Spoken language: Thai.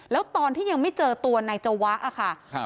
แล้วตอนที่ยังไม่เจอตัวนายเจาะอ่ะค่ะครับ